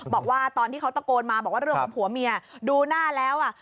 บอกว่าตอนที่เขาตะโกนมาบอกว่าเรื่องของผัวเมียดูหน้าแล้วอ่ะ